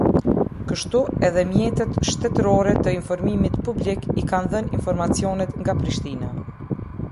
Kështu edhe mjetet shtetërore të informimit publik i kanë dhënë informacionet nga Prishtina.